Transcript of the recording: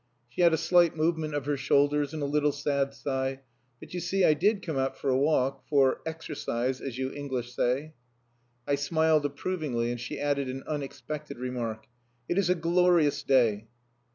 She had a slight movement of the shoulders and a little sad sigh. "But, you see, I did come out for a walk...for exercise, as you English say." I smiled approvingly, and she added an unexpected remark "It is a glorious day."